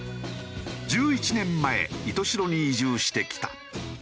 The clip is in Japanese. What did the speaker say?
１１年前石徹白に移住してきた。